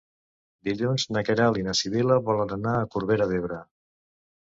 Dilluns na Queralt i na Sibil·la volen anar a Corbera d'Ebre.